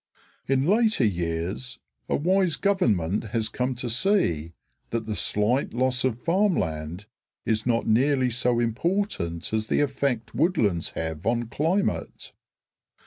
In later years a wise government has come to see that the slight loss of farmland is not nearly so important as the effect woodlands have on climate.